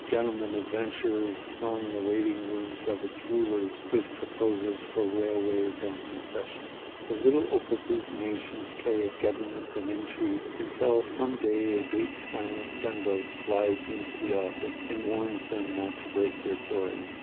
Gentleman adventurers throng the waiting rooms of its rulers with proposals for railways and concessions. The little opéra bouffe nations play at government and intrigue until some day a big, silent gunboat glides into the offing and warns them not to break their toys.